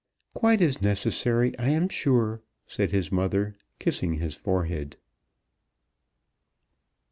"Quite as necessary, I am sure," said his mother kissing his forehead.